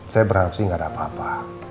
saya berharap sih gak ada apa apa